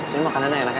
sini makan enak enak